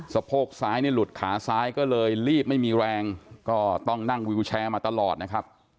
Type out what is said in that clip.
โพกซ้ายเนี่ยหลุดขาซ้ายก็เลยรีบไม่มีแรงก็ต้องนั่งวิวแชร์มาตลอดนะครับ